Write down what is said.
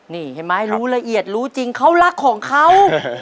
นี่เห็นไหมรู้ละเอียดรู้จริงเขารักของเขา